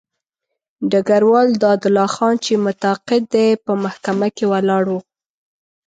ډګروال دادالله خان چې متقاعد دی په محکمه کې ولاړ وو.